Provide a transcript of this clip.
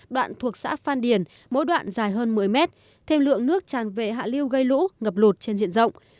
đoạn thuộc xã phan điển mỗi đoạn dài hơn một mươi mét thêm lượng nước tràn vệ hạ liu gây lũ ngập lột trên diện rộng